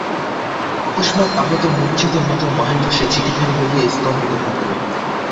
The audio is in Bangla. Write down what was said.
অকস্মাৎ আহত মূর্ছিতের মতো মহেন্দ্র সে-চিঠিখানি লইয়া স্তম্ভিত হইয়া রহিল।